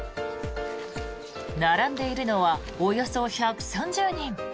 並んでいるのはおよそ１３０人。